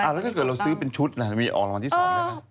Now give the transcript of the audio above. แล้วถ้าเกิดเราซื้อเป็นชุดมีออกรางวัลที่๒ได้ไหม